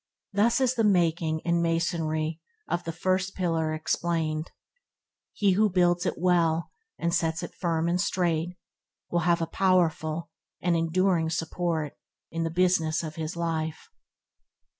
Thus is the making and masonry of the First pillar explained. He who builds it well, and sets it firm and straight, will have a powerful and enduring support in the business of his life.